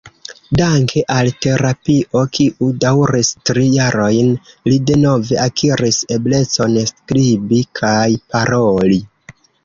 Danke al terapio kiu daŭris tri jarojn, li denove akiris eblecon skribi kaj paroli.